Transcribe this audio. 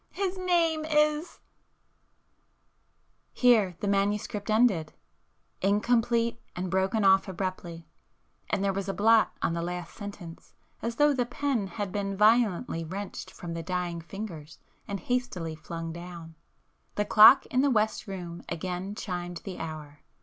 his name is " Here the manuscript ended,—incomplete and broken off [p 424] abruptly,—and there was a blot on the last sentence as though the pen had been violently wrenched from the dying fingers and hastily flung down. The clock in the west room again chimed the hour.